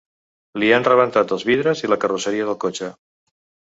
Li han rebentat els vidres i la carrosseria del cotxe.